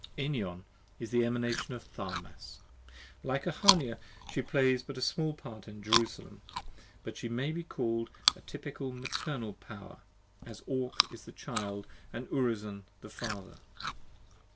Enion is the Emanation of Tharmas: like Ahania, she plays but a small part in "Jerusalem," but she may be called the typical maternal power, as Ore is the child and Urizen the father.